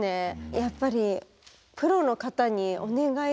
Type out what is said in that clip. やっぱりプロの方にお願いするしか。